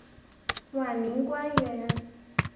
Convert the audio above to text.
晚明官员。